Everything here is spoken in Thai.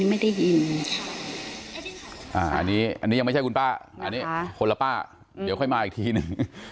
ไม่ได้ยินอันนี้ยังไม่ใช่คุณป้าอันนี้คนละป้าเดี๋ยวค่อยมาอีกทีหนึ่ง